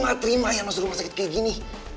gue gak terima ya masuk rumah sakit kayak gini